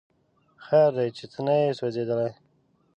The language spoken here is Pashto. خیر دی چې ته نه یې سوځېدلی